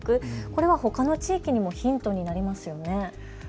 これは、ほかの地域にもヒントになりますよね。